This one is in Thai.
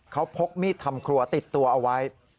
เขาพกมีดทำครัวติดตัวเอาไว้